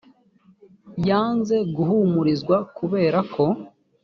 yanze guhumurizwa kubera ko